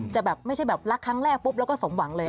แบบไม่ใช่แบบรักครั้งแรกปุ๊บแล้วก็สมหวังเลย